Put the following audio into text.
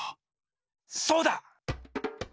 そうだ！